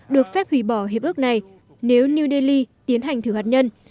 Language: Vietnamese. được phép hủy bỏ hiệp ước này nếu new delhi tiến hành thử hạt nhân